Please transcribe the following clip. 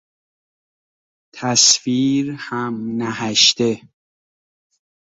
تصویر همنهشته